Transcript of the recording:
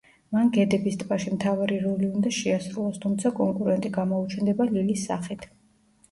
მან გედების ტბაში მთავარი როლი უნდა შეასრულოს, თუმცა კონკურენტი გამოუჩნდება ლილის სახით.